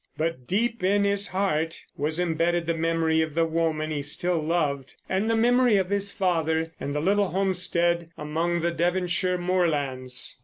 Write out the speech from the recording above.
But, deep in his heart, was embedded the memory of the woman he still loved; and the memory of his father and the little homestead among the Devonshire moorlands.